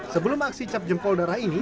sebelum aksi cap jempol darah ini